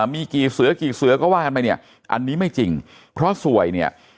มีกี่เสือกี่เสือก็ว่ากันไปเนี่ยอันนี้ไม่จริงเพราะสวยเนี่ย